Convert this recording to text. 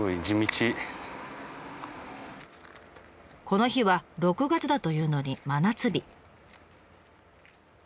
この日は６月だというのに真夏日。